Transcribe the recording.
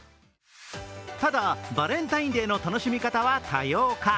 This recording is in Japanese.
ただ、バレンタインデーの楽しみ方は多様化。